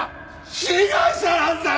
被害者なんだよ！